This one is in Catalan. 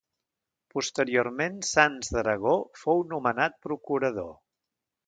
Posteriorment Sanç d'Aragó fou nomenat Procurador.